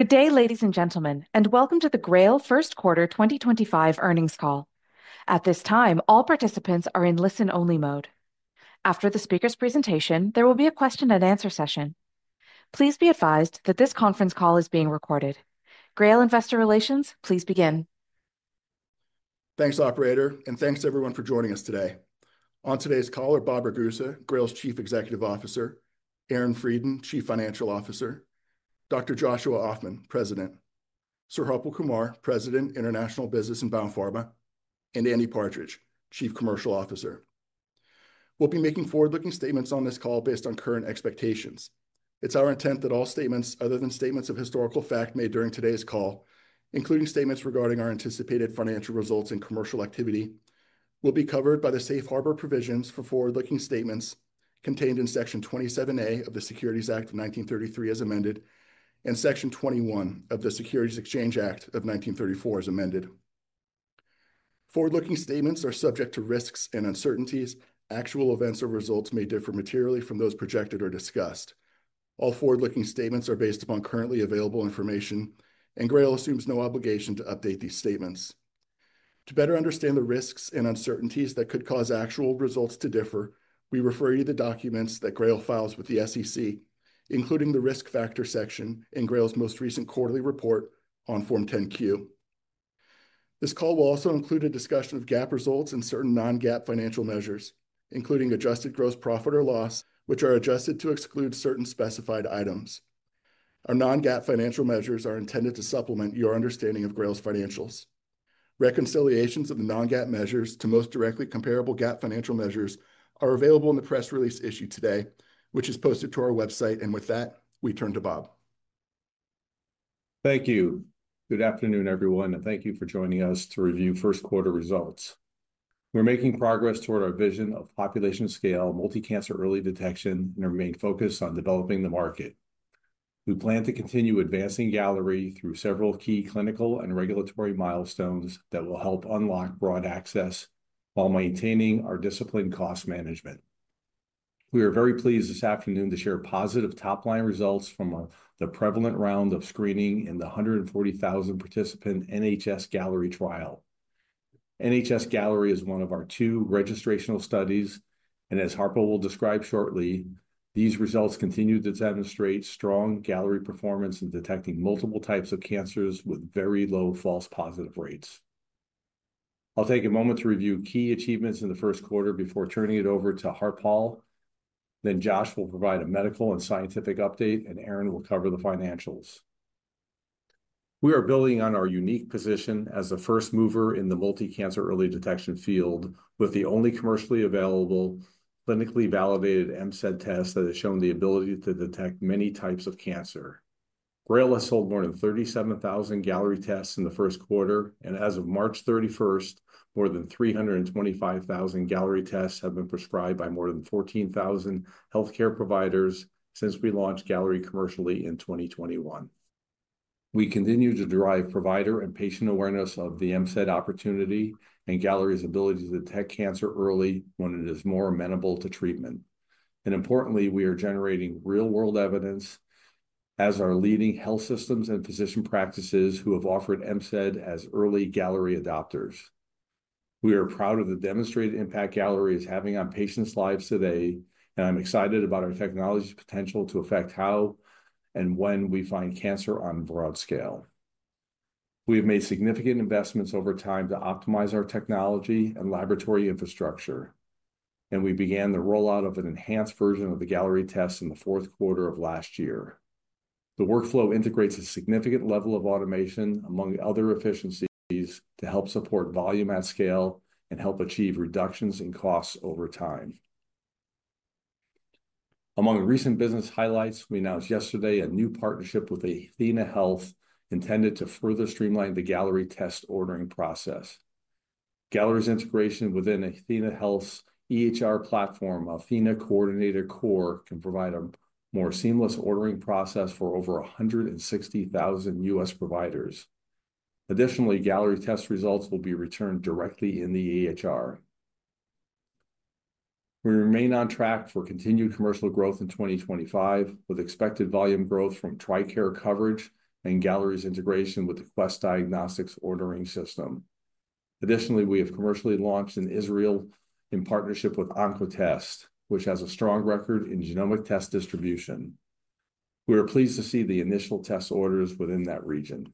Good day, ladies and gentlemen, and welcome to the GRAIL Q1 2025 Earnings Call. At this time, all participants are in listen-only mode. After the speaker's presentation, there will be a question-and-answer session. Please be advised that this conference call is being recorded. GRAIL Investor Relations, please begin. Thanks, Operator, and thanks to everyone for joining us today. On today's call are Bob Ragusa, GRAIL's Chief Executive Officer; Aaron Freidin, Chief Financial Officer; Dr. Joshua Ofman, President; Sir Harpal Kumar, President, International Business in Biopharma; and Andy Partridge, Chief Commercial Officer. We'll be making forward-looking statements on this call based on current expectations. It's our intent that all statements other than statements of historical fact made during today's call, including statements regarding our anticipated financial results and commercial activity, will be covered by the safe harbor provisions for forward-looking statements contained in Section 27A of the Securities Act of 1933, as amended, and Section 21 of the Securities Exchange Act of 1934, as amended. Forward-looking statements are subject to risks and uncertainties. Actual events or results may differ materially from those projected or discussed. All forward-looking statements are based upon currently available information, and GRAIL assumes no obligation to update these statements. To better understand the risks and uncertainties that could cause actual results to differ, we refer you to the documents that GRAIL files with the SEC, including the risk factor section in GRAIL's most recent quarterly report on Form 10-Q. This call will also include a discussion of GAAP results and certain non-GAAP financial measures, including adjusted gross profit or loss, which are adjusted to exclude certain specified items. Our non-GAAP financial measures are intended to supplement your understanding of GRAIL's financials. Reconciliations of the non-GAAP measures to most directly comparable GAAP financial measures are available in the press release issued today, which is posted to our website, and with that, we turn to Bob. Thank you. Good afternoon, everyone, and thank you for joining us to review Q1 results. We're making progress toward our vision of population-scale multi-cancer early detection and remain focused on developing the market. We plan to continue advancing Galleri through several key clinical and regulatory milestones that will help unlock broad access while maintaining our disciplined cost management. We are very pleased this afternoon to share positive top-line results from the prevalent round of screening in the 140,000-participant NHS-Galleri trial. NHS-Galleri is one of our two registrational studies, and as Harpal will describe shortly, these results continue to demonstrate strong Galleri performance in detecting multiple types of cancers with very low false positive rates. I'll take a moment to review key achievements in Q1 before turning it over to Harpal. Then Josh will provide a medical and scientific update, and Aaron will cover the financials. We are building on our unique position as the first mover in the multi-cancer early detection field with the only commercially available, clinically validated MCED test that has shown the ability to detect many types of cancer. GRAIL has sold more than 37,000 Galleri tests in Q1, and as of March 31, more than 325,000 Galleri tests have been prescribed by more than 14,000 healthcare providers since we launched Galleri commercially in 2021. We continue to drive provider and patient awareness of the MCED opportunity and Galleri's ability to detect cancer early when it is more amenable to treatment. Importantly, we are generating real-world evidence as our leading health systems and physician practices who have offered MCED as early Galleri adopters. We are proud of the demonstrated impact Galleri is having on patients' lives today, and I'm excited about our technology's potential to affect how and when we find cancer on a broad scale. We have made significant investments over time to optimize our technology and laboratory infrastructure, and we began the rollout of an enhanced version of the Galleri test in Q4 of last year. The workflow integrates a significant level of automation, among other efficiencies, to help support volume at scale and help achieve reductions in costs over time. Among recent business highlights, we announced yesterday a new partnership with Athenahealth intended to further streamline the Galleri test ordering process. Galleri's integration within Athenahealth's EHR platform, Athena Coordinator Core, can provide a more seamless ordering process for over 160,000 U.S. providers. Additionally, Galleri test results will be returned directly in the EHR. We remain on track for continued commercial growth in 2025, with expected volume growth from TRICARE coverage and Galleri's integration with the Quest Diagnostics ordering system. Additionally, we have commercially launched in Israel in partnership with Oncotest, which has a strong record in genomic test distribution. We are pleased to see the initial test orders within that region.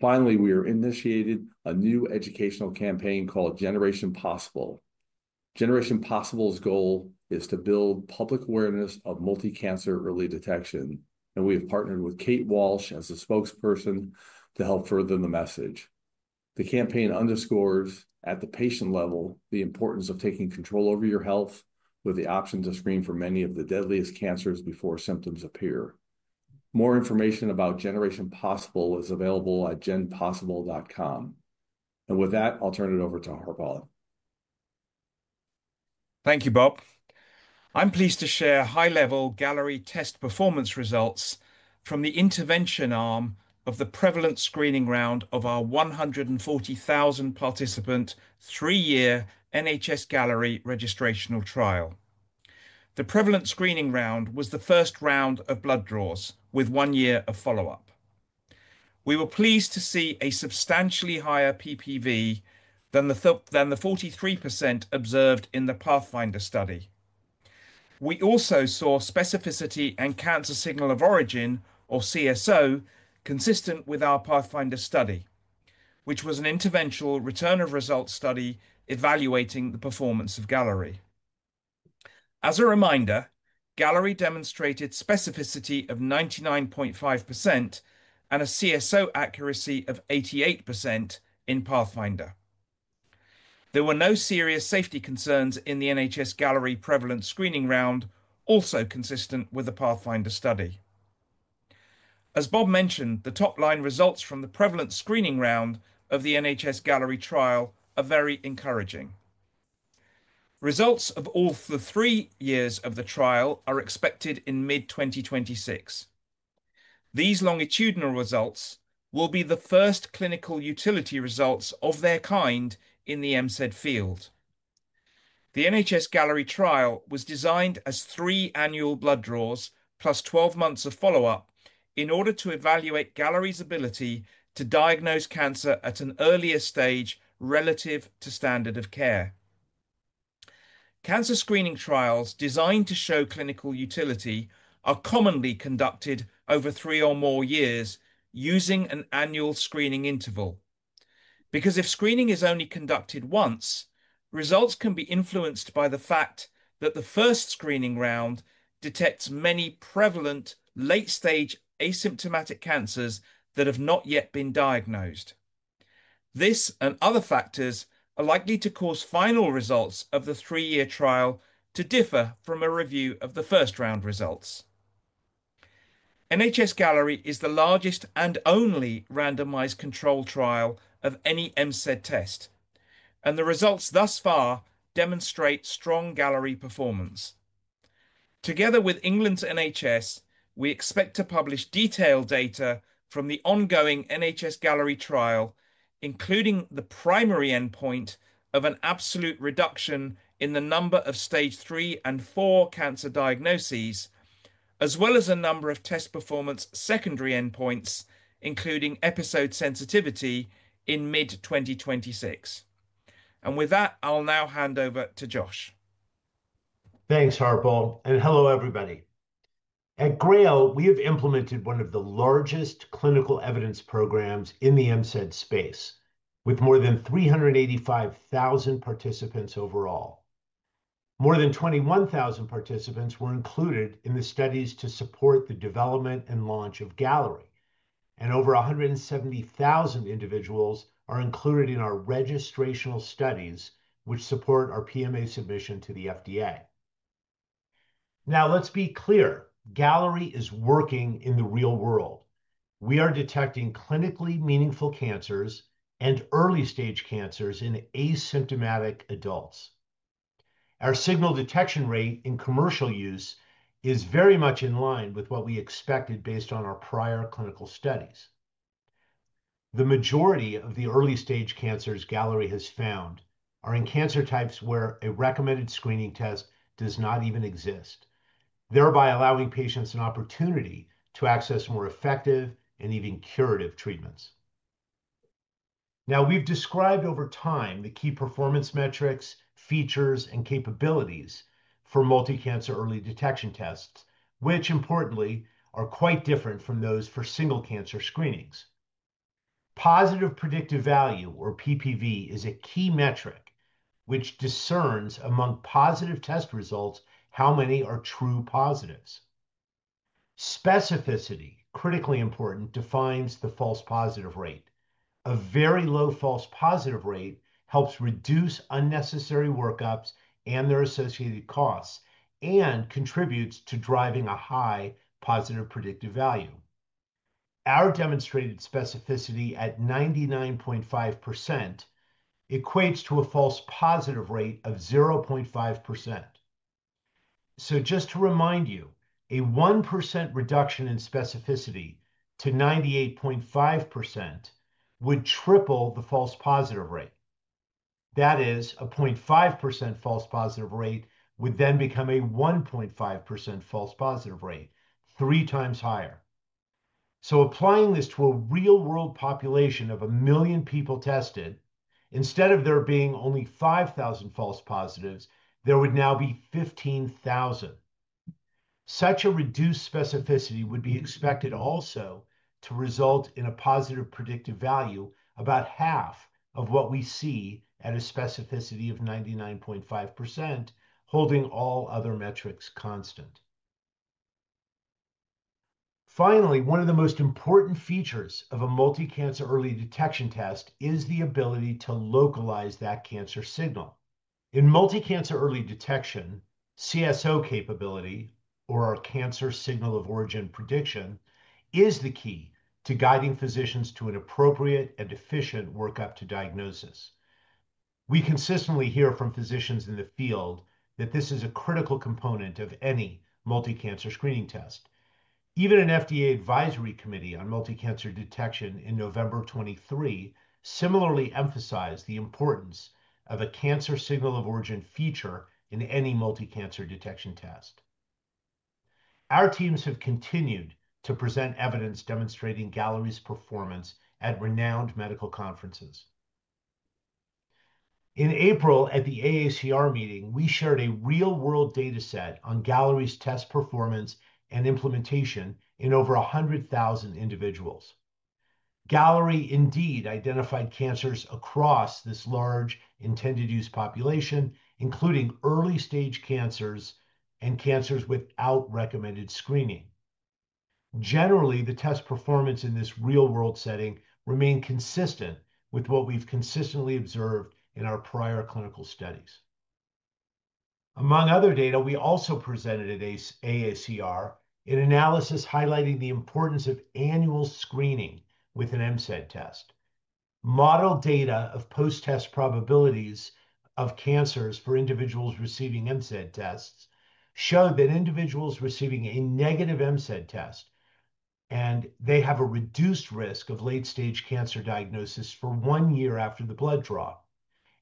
Finally, we have initiated a new educational campaign called Generation Possible. Generation Possible's goal is to build public awareness of multi-cancer early detection, and we have partnered with Kate Walsh as a spokesperson to help further the message. The campaign underscores, at the patient level, the importance of taking control over your health, with the option to screen for many of the deadliest cancers before symptoms appear. More information about Generation Possible is available at genpossible.com. I'll turn it over to Harpal. Thank you, Bob. I'm pleased to share high-level Galleri test performance results from the intervention arm of the prevalent screening round of our 140,000-participant three-year NHS-Galleri registrational trial. The prevalent screening round was the first round of blood draws, with one year of follow-up. We were pleased to see a substantially higher PPV than the 43% observed in the Pathfinder study. We also saw specificity and cancer signal of origin, or CSO, consistent with our Pathfinder study, which was an interventional return of results study evaluating the performance of Galleri. As a reminder, Galleri demonstrated specificity of 99.5% and a CSO accuracy of 88% in Pathfinder. There were no serious safety concerns in the NHS-Galleri prevalent screening round, also consistent with the Pathfinder study. As Bob mentioned, the top-line results from the prevalent screening round of the NHS-Galleri trial are very encouraging. Results of all three years of the trial are expected in mid-2026. These longitudinal results will be the 1st clinical utility results of their kind in the MCED field. The NHS-Galleri trial was designed as three annual blood draws plus 12 months of follow-up in order to evaluate Galleri's ability to diagnose cancer at an earlier stage relative to standard of care. Cancer screening trials designed to show clinical utility are commonly conducted over three or more years using an annual screening interval. Because if screening is only conducted once, results can be influenced by the fact that the first screening round detects many prevalent late-stage asymptomatic cancers that have not yet been diagnosed. This and other factors are likely to cause final results of the three-year trial to differ from a review of the 1st round results. NHS-Galleri is the largest and only randomized control trial of any MCED test, and the results thus far demonstrate strong Galleri performance. Together with England's NHS, we expect to publish detailed data from the ongoing NHS-Galleri trial, including the primary endpoint of an absolute reduction in the number of stage III and stage IV cancer diagnoses, as well as a number of test performance secondary endpoints, including episode sensitivity in mid-2026. With that, I'll now hand over to Josh. Thanks, Harpal, and hello, everybody. At GRAIL, we have implemented one of the largest clinical evidence programs in the MCED space, with more than 385,000 participants overall. More than 21,000 participants were included in the studies to support the development and launch of Galleri, and over 170,000 individuals are included in our registrational studies, which support our PMA submission to the FDA. Now, let's be clear: Galleri is working in the real world. We are detecting clinically meaningful cancers and early-stage cancers in asymptomatic adults. Our signal detection rate in commercial use is very much in line with what we expected based on our prior clinical studies. The majority of the early-stage cancers Galleri has found are in cancer types where a recommended screening test does not even exist, thereby allowing patients an opportunity to access more effective and even curative treatments. Now, we've described over time the key performance metrics, features, and capabilities for multi-cancer early detection tests, which, importantly, are quite different from those for single cancer screenings. Positive predictive value, or PPV, is a key metric which discerns among positive test results how many are true positives. Specificity, critically important, defines the false positive rate. A very low false positive rate helps reduce unnecessary workups and their associated costs and contributes to driving a high positive predictive value. Our demonstrated specificity at 99.5% equates to a false positive rate of 0.5%. Just to remind you, a 1% reduction in specificity to 98.5% would triple the false positive rate. That is, a 0.5% false positive rate would then become a 1.5% false positive rate, three times higher. Applying this to a real-world population of a million people tested, instead of there being only 5,000 false positives, there would now be 15,000. Such a reduced specificity would be expected also to result in a positive predictive value about half of what we see at a specificity of 99.5%, holding all other metrics constant. Finally, one of the most important features of a multi-cancer early detection test is the ability to localize that cancer signal. In multi-cancer early detection, CSO capability, or our cancer signal of origin prediction, is the key to guiding physicians to an appropriate and efficient workup to diagnosis. We consistently hear from physicians in the field that this is a critical component of any multi-cancer screening test. Even an FDA advisory committee on multi-cancer detection in November 2023 similarly emphasized the importance of a cancer signal of origin feature in any multi-cancer detection test. Our teams have continued to present evidence demonstrating Galleri's performance at renowned medical conferences. In April, at the AACR meeting, we shared a real-world dataset on Galleri's test performance and implementation in over 100,000 individuals. Galleri indeed identified cancers across this large intended-use population, including early-stage cancers and cancers without recommended screening. Generally, the test performance in this real-world setting remained consistent with what we've consistently observed in our prior clinical studies. Among other data, we also presented at AACR an analysis highlighting the importance of annual screening with an MCED test. Model data of post-test probabilities of cancers for individuals receiving MCED tests showed that individuals receiving a negative MCED test, and they have a reduced risk of late-stage cancer diagnosis for one year after the blood draw.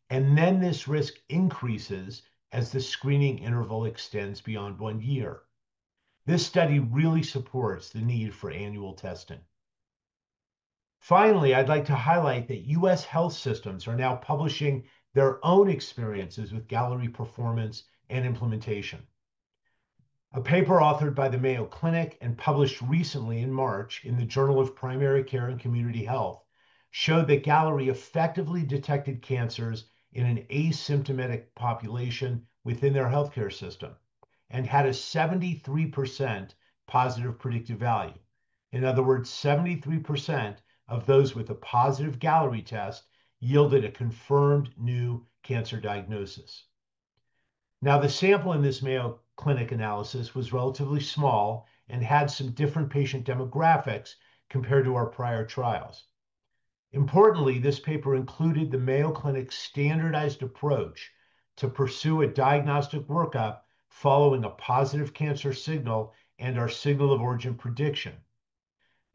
This risk increases as the screening interval extends beyond one year. This study really supports the need for annual testing. Finally, I'd like to highlight that U.S. health systems are now publishing their own experiences with Galleri performance and implementation. A paper authored by the Mayo Clinic and published recently in March in the Journal of Primary Care and Community Health showed that Galleri effectively detected cancers in an asymptomatic population within their healthcare system and had a +73% predictive value. In other words, 73% of those with a positive Galleri test yielded a confirmed new cancer diagnosis. Now, the sample in this Mayo Clinic analysis was relatively small and had some different patient demographics compared to our prior trials. Importantly, this paper included the Mayo Clinic standardized approach to pursue a diagnostic workup following a positive cancer signal and our signal of origin prediction.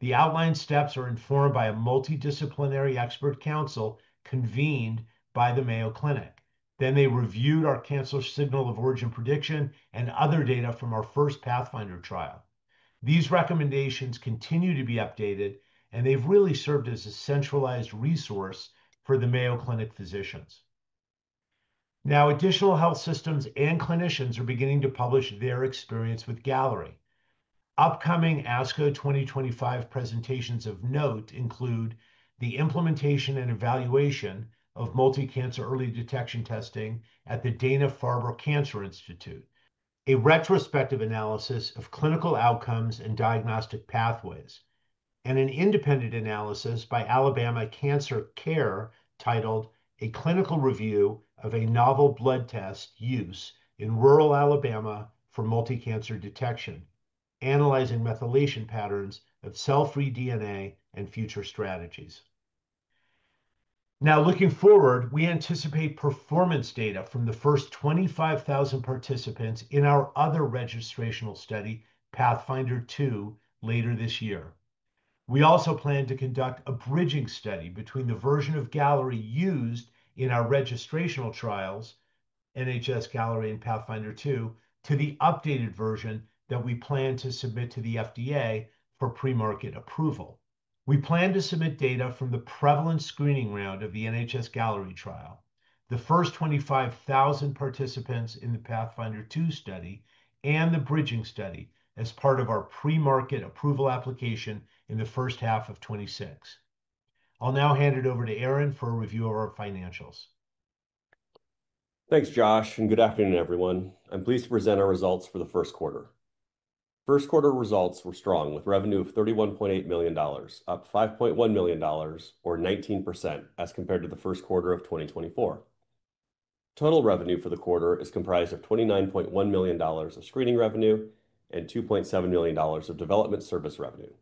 The outlined steps are informed by a multidisciplinary expert council convened by the Mayo Clinic. They reviewed our Cancer Signal of Origin prediction and other data from our first Pathfinder trial. These recommendations continue to be updated, and they've really served as a centralized resource for the Mayo Clinic physicians. Now, additional health systems and clinicians are beginning to publish their experience with Galleri. Upcoming ASCO 2025 presentations of note include the implementation and evaluation of multi-cancer early detection testing at the Dana-Farber Cancer Institute, a retrospective analysis of clinical outcomes and diagnostic pathways, and an independent analysis by Alabama Cancer Care titled "A Clinical Review of a Novel Blood Test Use in Rural Alabama for Multi-Cancer Detection: Analyzing Methylation Patterns of Cell-Free DNA and Future Strategies." Now, looking forward, we anticipate performance data from the first 25,000 participants in our other registrational study, Pathfinder II, later this year. We also plan to conduct a bridging study between the version of Galleri used in our registrational trials, NHS-Galleri and Pathfinder II, to the updated version that we plan to submit to the FDA for pre-market approval. We plan to submit data from the prevalent screening round of the NHS-Galleri trial, the first 25,000 participants in the Pathfinder II study, and the bridging study as part of our pre-market approval application in the first half of 2026. I'll now hand it over to Aaron for a review of our financials. Thanks, Josh, and good afternoon, everyone. I'm pleased to present our results for the first quarter. First quarter results were strong, with revenue of $31.8 million, up $5.1 million, or 19%, as compared to the first quarter of 2024. Total revenue for the quarter is comprised of $29.1 million of screening revenue and $2.7 million of development service revenue.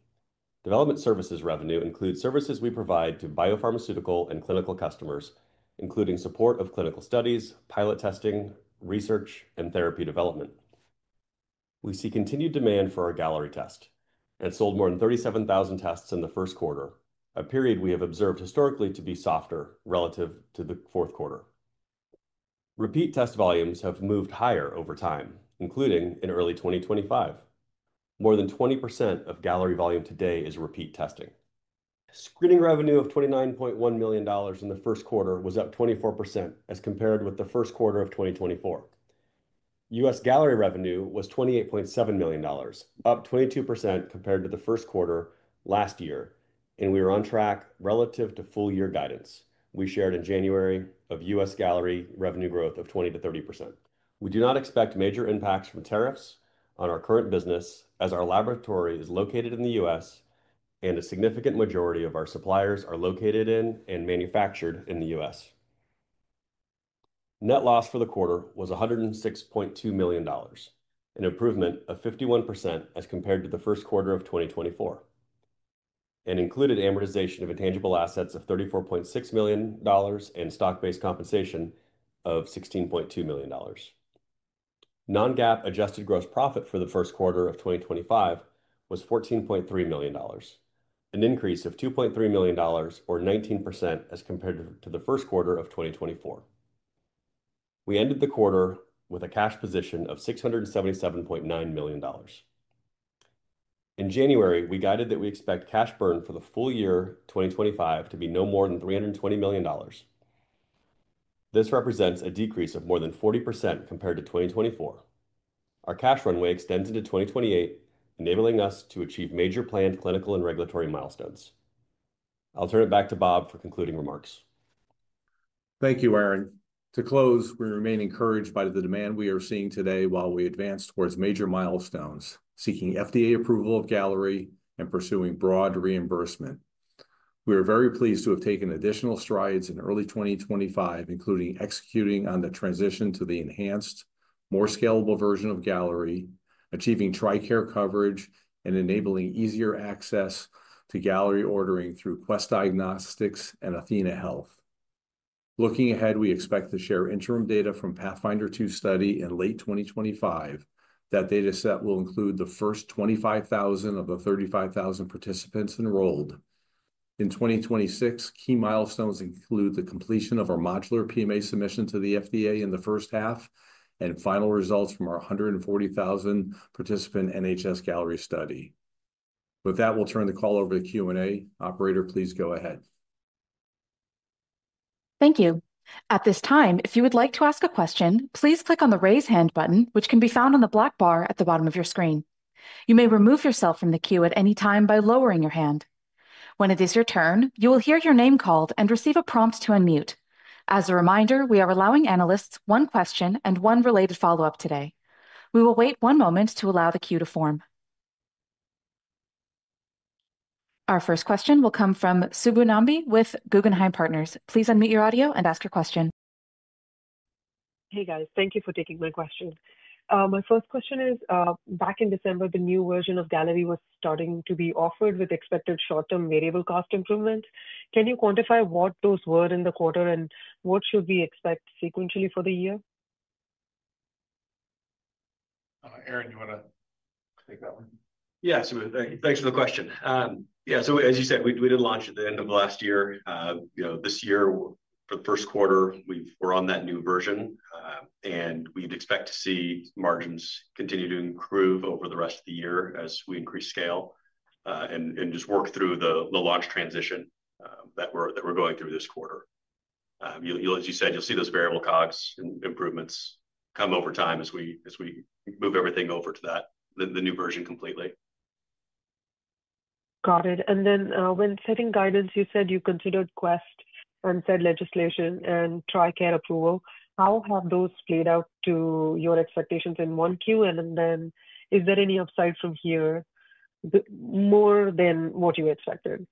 Development services revenue includes services we provide to biopharmaceutical and clinical customers, including support of clinical studies, pilot testing, research, and therapy development. We see continued demand for our Galleri test. It sold more than 37,000 tests in the 1st quarter, a period we have observed historically to be softer relative to the 4th quarter. Repeat test volumes have moved higher over time, including in early 2025. More than 20% of Galleri volume today is repeat testing. Screening revenue of $29.1 million in the 1st quarter was up 24% as compared with the 1st quarter of 2024. U.S. Galleri revenue was $28.7 million, up 22% compared to the 1st quarter last year, and we are on track relative to full-year guidance we shared in January of U.S. Galleri revenue growth of 20%-30%. We do not expect major impacts from tariffs on our current business, as our laboratory is located in the U.S. and a significant majority of our suppliers are located in and manufactured in the U.S. Net loss for the quarter was $106.2 million, an improvement of 51% as compared to the 1st quarter of 2024, and included amortization of intangible assets of $34.6 million and stock-based compensation of $16.2 million. Non-GAAP adjusted gross profit for the 1st quarter of 2025 was $14.3 million, an increase of $2.3 million, or 19%, as compared to the 1st quarter of 2024. We ended the quarter with a cash position of $677.9 million. In January, we guided that we expect cash burn for the full year 2025 to be no more than $320 million. This represents a decrease of more than 40% compared to 2024. Our cash runway extends into 2028, enabling us to achieve major planned clinical and regulatory milestones. I'll turn it back to Bob for concluding remarks. Thank you, Aaron. To close, we remain encouraged by the demand we are seeing today while we advance towards major milestones, seeking FDA approval of Galleri and pursuing broad reimbursement. We are very pleased to have taken additional strides in early 2025, including executing on the transition to the enhanced, more scalable version of Galleri, achieving TRICARE coverage, and enabling easier access to Galleri ordering through Quest Diagnostics and Athenahealth. Looking ahead, we expect to share interim data from Pathfinder II study in late 2025. That dataset will include the first 25,000 of the 35,000 participants enrolled. In 2026, key milestones include the completion of our modular PMA submission to the FDA in the first half and final results from our 140,000-participant NHS-Galleri study. With that, we'll turn the call over to Q&A. Operator, please go ahead. Thank you. At this time, if you would like to ask a question, please click on the raise hand button, which can be found on the black bar at the bottom of your screen. You may remove yourself from the queue at any time by lowering your hand. When it is your turn, you will hear your name called and receive a prompt to unmute. As a reminder, we are allowing analysts one question and one related follow-up today. We will wait one moment to allow the queue to form. Our first question will come from Subbu Nambi with Guggenheim Partners. Please unmute your audio and ask your question. Hey, guys. Thank you for taking my question. My first question is, back in December, the new version of Galleri was starting to be offered with expected short-term variable cost improvements. Can you quantify what those were in the quarter and what should we expect sequentially for the year? Aaron, do you want to take that one? Yeah. So thanks for the question. Yeah. As you said, we did launch at the end of last year. This year, for the first quarter, we're on that new version, and we'd expect to see margins continue to improve over the rest of the year as we increase scale and just work through the launch transition that we're going through this quarter. As you said, you'll see those variable cost improvements come over time as we move everything over to that, the new version completely. Got it. And then when setting guidance, you said you considered Quest and said legislation and TRICARE approval. How have those played out to your expectations in 1Q? And then is there any upside from here more than what you expected?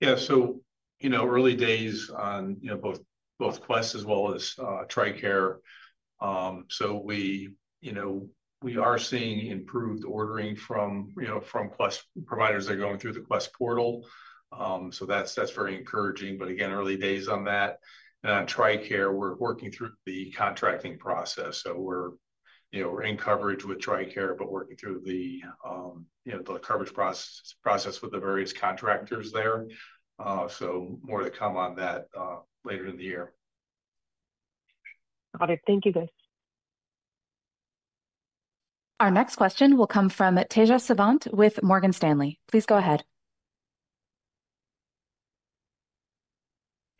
Yeah. Early days on both Quest as well as TRICARE. We are seeing improved ordering from Quest providers that are going through the Quest portal. That is very encouraging. Again, early days on that. On Tricare, we are working through the contracting process. We are in coverage with Tricare, but working through the coverage process with the various contractors there. More to come on that later in the year. Got it. Thank you, guys. Our next question will come from Tejas Savant with Morgan Stanley. Please go ahead.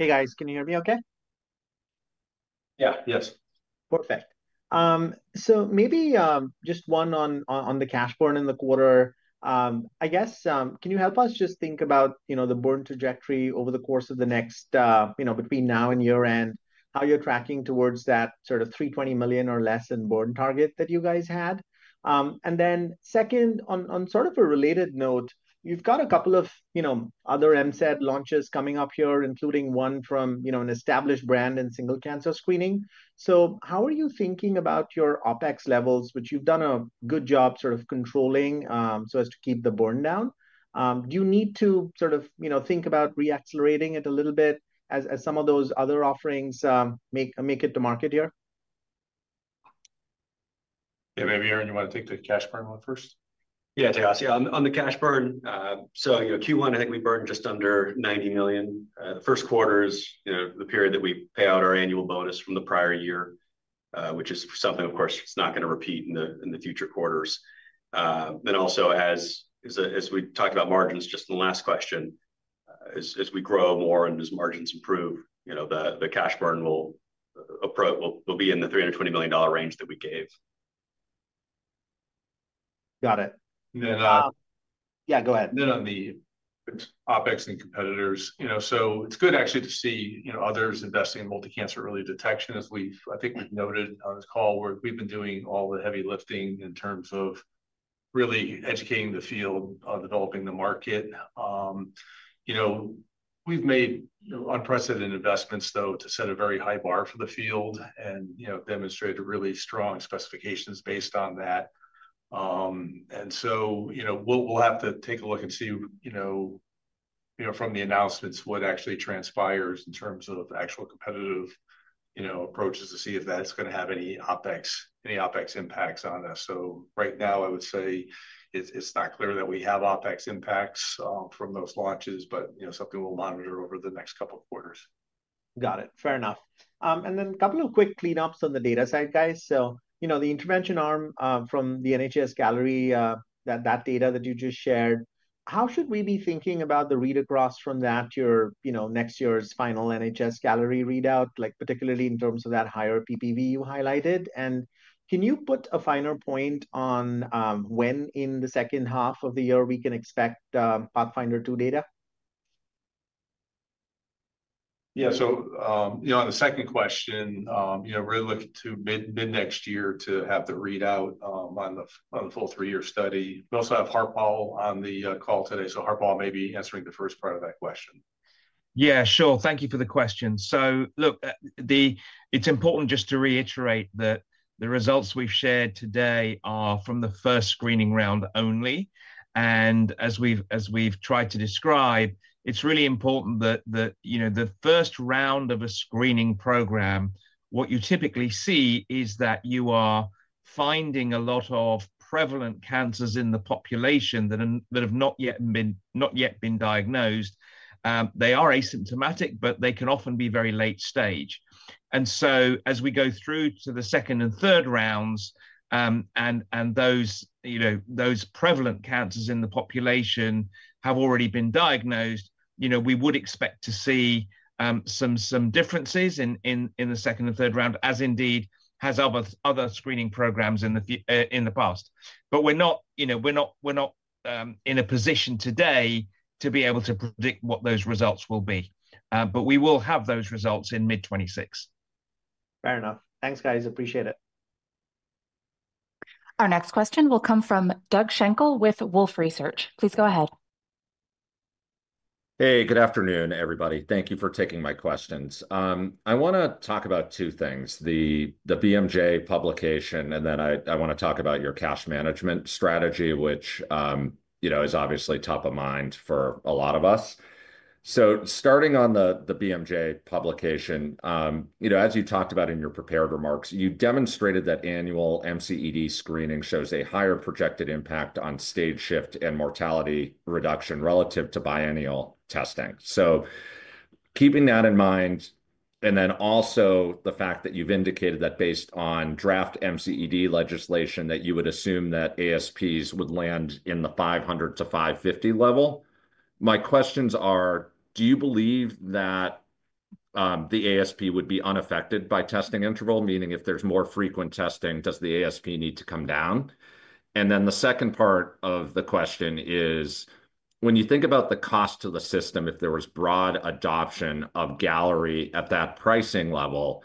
Hey, guys. Can you hear me okay? Yeah. Yes. Perfect. Maybe just one on the cash burn in the quarter. I guess, can you help us just think about the burn trajectory over the course of the next between now and year-end, how you're tracking towards that sort of $320 million or less in burn target that you guys had? Second, on sort of a related note, you've got a couple of other MCED launches coming up here, including one from an established brand in single cancer screening. How are you thinking about your OpEx levels, which you've done a good job sort of controlling so as to keep the burn down? Do you need to sort of think about reaccelerating it a little bit as some of those other offerings make it to market here? Yeah. Maybe, Aaron, you want to take the cash burn one first? Yeah, Tejas. Yeah. On the cash burn, Q1, I think we burned just under $90 million. The first quarter is the period that we pay out our annual bonus from the prior year, which is something, of course, it's not going to repeat in the future quarters. Also, as we talked about margins just in the last question, as we grow more and as margins improve, the cash burn will be in the $320 million range that we gave. Got it. And then. Yeah, go ahead. No, no, the OpEx and competitors. It is good, actually, to see others investing in multi-cancer early detection, as I think we have noted on this call, where we have been doing all the heavy lifting in terms of really educating the field on developing the market. We have made unprecedented investments, though, to set a very high bar for the field and demonstrated really strong specifications based on that. We will have to take a look and see from the announcements what actually transpires in terms of actual competitive approaches to see if that is going to have any OpEx impacts on us. Right now, I would say it is not clear that we have OpEx impacts from those launches, but it is something we will monitor over the next couple of quarters. Got it. Fair enough. A couple of quick cleanups on the data side, guys. The intervention arm from the NHS Galleri, that data that you just shared, how should we be thinking about the read across from that to your next year's final NHS Galleri readout, particularly in terms of that higher PPV you highlighted? Can you put a finer point on when in the 2nd half of the year we can expect Pathfinder II data? Yeah. On the second question, we're looking to mid-next year to have the readout on the full three-year study. We also have Harpal on the call today. Harpal may be answering the first part of that question. Yeah, sure. Thank you for the question. Look, it's important just to reiterate that the results we've shared today are from the 1st screening round only. As we've tried to describe, it's really important that the first round of a screening program, what you typically see is that you are finding a lot of prevalent cancers in the population that have not yet been diagnosed. They are asymptomatic, but they can often be very late stage. As we go through to the 2nd round and 3rd rounds, and those prevalent cancers in the population have already been diagnosed, we would expect to see some differences in the 2nd round and 3rd round, as indeed has other screening programs in the past. We're not in a position today to be able to predict what those results will be. We will have those results in mid-2026. Fair enough. Thanks, guys. Appreciate it. Our next question will come from Doug Schenkel with Wolfe Research. Please go ahead. Hey, good afternoon, everybody. Thank you for taking my questions. I want to talk about two things: the BMJ publication, and then I want to talk about your cash management strategy, which is obviously top of mind for a lot of us. Starting on the BMJ publication, as you talked about in your prepared remarks, you demonstrated that annual MCED screening shows a higher projected impact on stage shift and mortality reduction relative to biennial testing. Keeping that in mind, and then also the fact that you've indicated that based on draft MCED legislation, that you would assume that ASPs would land in the $500-$550 level. My questions are, do you believe that the ASP would be unaffected by testing interval? Meaning, if there's more frequent testing, does the ASP need to come down? The second part of the question is, when you think about the cost to the system, if there was broad adoption of Galleri at that pricing level,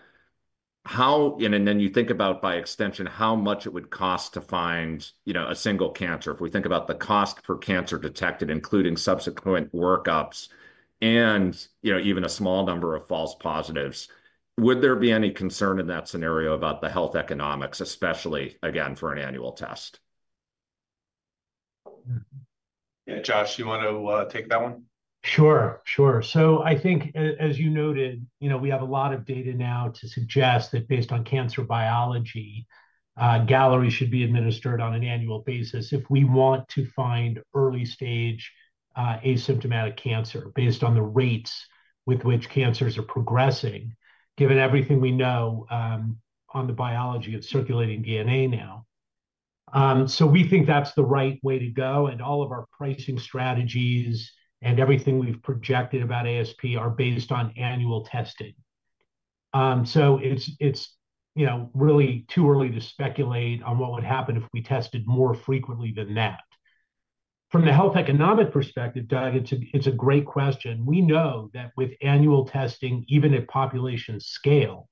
and then you think about, by extension, how much it would cost to find a single cancer, if we think about the cost per cancer detected, including subsequent workups, and even a small number of false positives, would there be any concern in that scenario about the health economics, especially, again, for an annual test? Yeah. Josh, do you want to take that one? Sure. Sure. I think, as you noted, we have a lot of data now to suggest that based on cancer biology, Galleri should be administered on an annual basis if we want to find early-stage asymptomatic cancer based on the rates with which cancers are progressing, given everything we know on the biology of circulating DNA now. We think that's the right way to go. All of our pricing strategies and everything we've projected about ASP are based on annual testing. It's really too early to speculate on what would happen if we tested more frequently than that. From the health economic perspective, Doug, it's a great question. We know that with annual testing, even at population scale,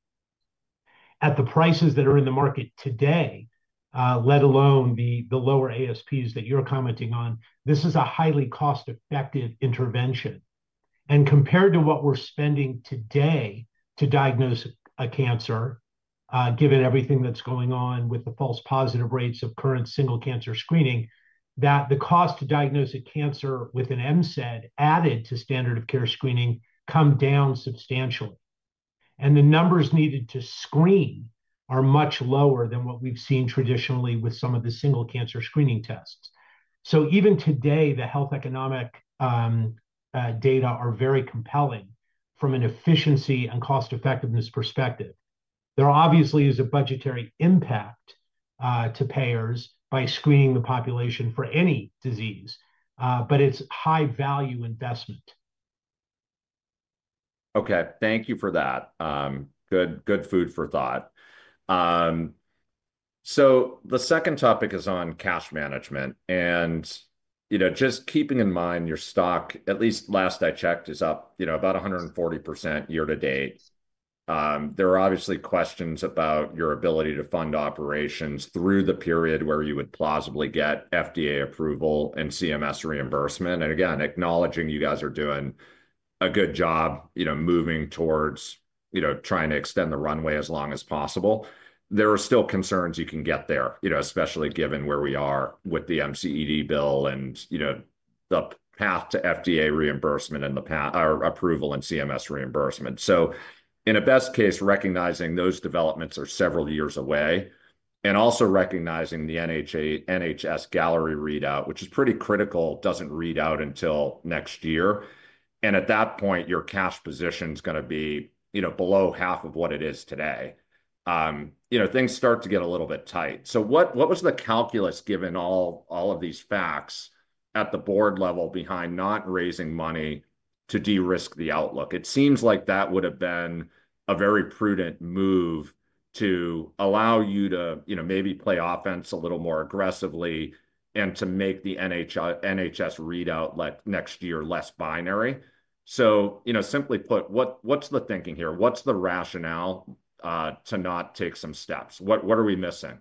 at the prices that are in the market today, let alone the lower ASPs that you're commenting on, this is a highly cost-effective intervention. Compared to what we're spending today to diagnose a cancer, given everything that's going on with the false positive rates of current single cancer screening, the cost to diagnose a cancer with an MCED added to standard of care screening comes down substantially. The numbers needed to screen are much lower than what we've seen traditionally with some of the single cancer screening tests. Even today, the health economic data are very compelling from an efficiency and cost-effectiveness perspective. There obviously is a budgetary impact to payers by screening the population for any disease, but it's a high-value investment. Okay. Thank you for that. Good food for thought. The second topic is on cash management. Just keeping in mind your stock, at least last I checked, is up about 140% year-to-date. There are obviously questions about your ability to fund operations through the period where you would plausibly get FDA approval and CMS reimbursement. Again, acknowledging you guys are doing a good job moving towards trying to extend the runway as long as possible. There are still concerns you can get there, especially given where we are with the MCED bill and the path to FDA reimbursement and the approval and CMS reimbursement. In a best case, recognizing those developments are several years away and also recognizing the NHS Galleri readout, which is pretty critical, does not read out until next year. At that point, your cash position is going to be below half of what it is today. Things start to get a little bit tight. What was the calculus given all of these facts at the board level behind not raising money to de-risk the outlook? It seems like that would have been a very prudent move to allow you to maybe play offense a little more aggressively and to make the NHS readout next year less binary. Simply put, what's the thinking here? What's the rationale to not take some steps? What are we missing?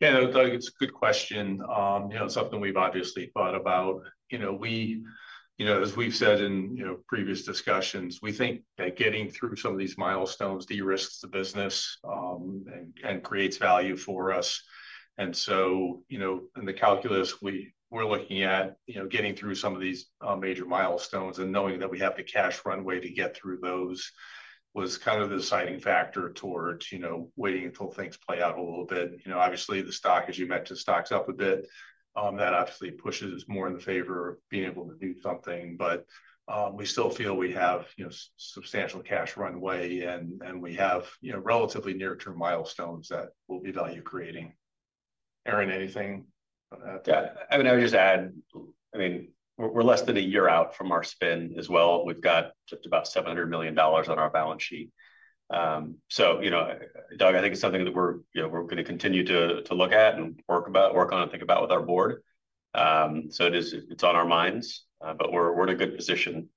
Yeah. Doug, it's a good question. It's something we've obviously thought about. As we've said in previous discussions, we think that getting through some of these milestones de-risks the business and creates value for us. In the calculus, we're looking at getting through some of these major milestones and knowing that we have the cash runway to get through those was kind of the deciding factor towards waiting until things play out a little bit. Obviously, the stock, as you mentioned, stocks up a bit. That obviously pushes more in the favor of being able to do something. We still feel we have substantial cash runway, and we have relatively near-term milestones that will be value-creating. Aaron, anything? Yeah. I mean, I would just add, I mean, we're less than a year out from our spin as well. We've got just about $700 million on our balance sheet. Doug, I think it's something that we're going to continue to look at and work on and think about with our board. It's on our minds, but we're in a good position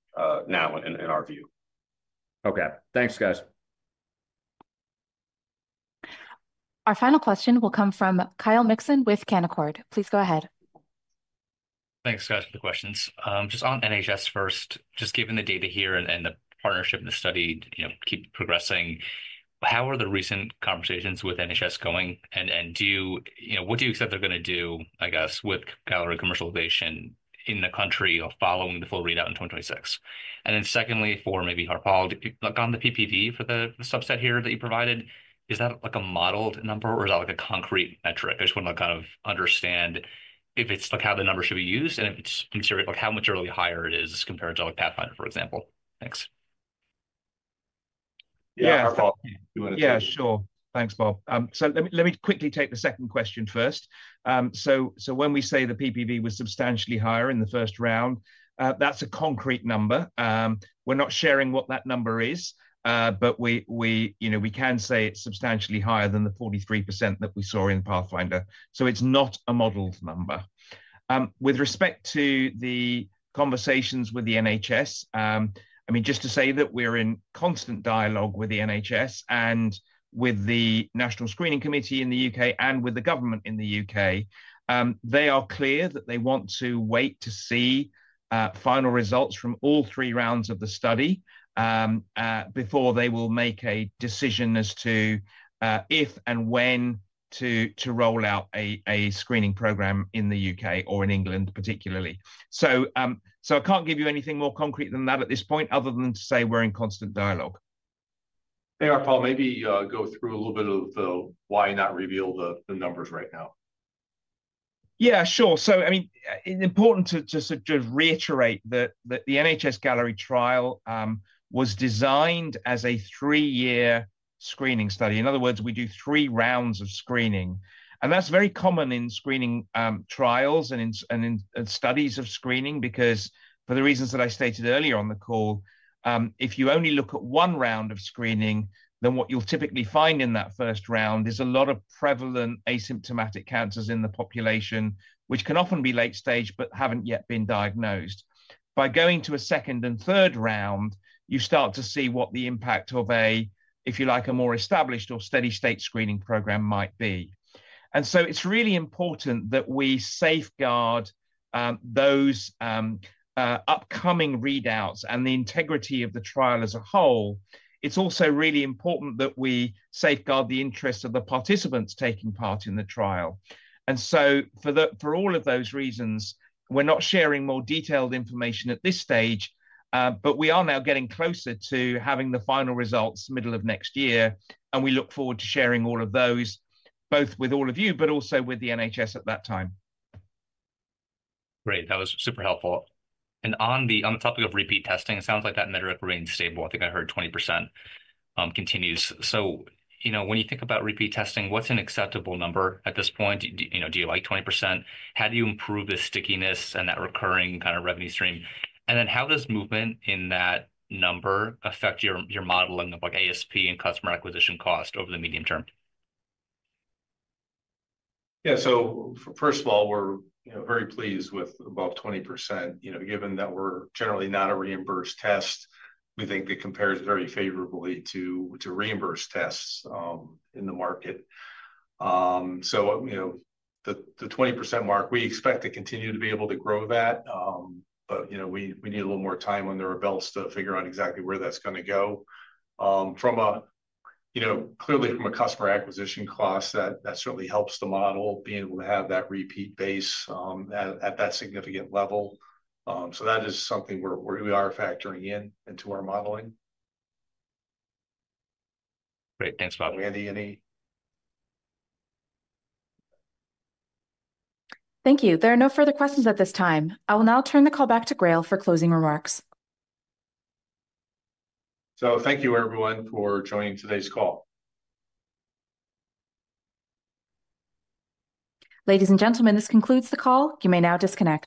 now in our view. Okay. Thanks, guys. Our final question will come from Kyle Mixon with Canaccord. Please go ahead. Thanks, guys, for the questions. Just on NHS first, just given the data here and the partnership and the study keep progressing, how are the recent conversations with NHS going? What do you expect they're going to do, I guess, with Galleri commercialization in the country following the full readout in 2026? Secondly, for maybe Harpal, on the PPV for the subset here that you provided, is that a modeled number, or is that a concrete metric? I just want to kind of understand how the number should be used and how much earlier higher it is compared to Pathfinder, for example. Thanks. Yeah. Yeah, Harpal. You want to take it? Yeah, sure. Thanks, Bob. Let me quickly take the second question first. When we say the PPV was substantially higher in the first round, that's a concrete number. We're not sharing what that number is, but we can say it's substantially higher than the 43% that we saw in Pathfinder. It's not a modeled number. With respect to the conversations with the NHS, I mean, just to say that we're in constant dialogue with the NHS and with the National Screening Committee in the U.K. and with the government in the U.K., they are clear that they want to wait to see final results from all three rounds of the study before they will make a decision as to if and when to roll out a screening program in the U.K. or in England, particularly. I can't give you anything more concrete than that at this point other than to say we're in constant dialogue. Hey, Harpal, maybe go through a little bit of why not reveal the numbers right now. Yeah, sure. I mean, it's important to reiterate that the NHS Galleri trial was designed as a three-year screening study. In other words, we do three rounds of screening. That's very common in screening trials and studies of screening because, for the reasons that I stated earlier on the call, if you only look at one round of screening, then what you'll typically find in that first round is a lot of prevalent asymptomatic cancers in the population, which can often be late stage but haven't yet been diagnosed. By going to a second and third round, you start to see what the impact of a, if you like, a more established or steady-state screening program might be. It's really important that we safeguard those upcoming readouts and the integrity of the trial as a whole. It's also really important that we safeguard the interest of the participants taking part in the trial. For all of those reasons, we're not sharing more detailed information at this stage, but we are now getting closer to having the final results middle of next year. We look forward to sharing all of those, both with all of you, but also with the NHS at that time. Great. That was super helpful. On the topic of repeat testing, it sounds like that metric remains stable. I think I heard 20% continues. When you think about repeat testing, what's an acceptable number at this point? Do you like 20%? How do you improve the stickiness and that recurring kind of revenue stream? How does movement in that number affect your modeling of ASP and customer acquisition cost over the medium term? Yeah. First of all, we're very pleased with above 20%. Given that we're generally not a reimbursed test, we think it compares very favorably to reimbursed tests in the market. The 20% mark, we expect to continue to be able to grow that. We need a little more time on the rebels to figure out exactly where that's going to go. Clearly, from a customer acquisition cost, that certainly helps the model being able to have that repeat base at that significant level. That is something we are factoring into our modeling. Great. Thanks, Bob. Randy, any? Thank you. There are no further questions at this time. I will now turn the call back to GRAIL for closing remarks. Thank you, everyone, for joining today's call. Ladies and gentlemen, this concludes the call. You may now disconnect.